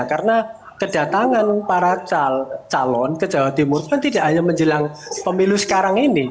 karena kedatangan para calon ke jawa timur tidak hanya menjelang pemilu sekarang ini